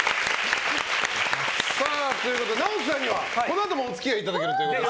ＮＡＯＴＯさんにはこのあともお付き合いいただけるということで。